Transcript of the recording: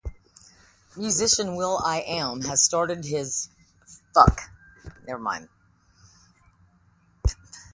Musician will.i.am has stated that his moniker is inspired by the story.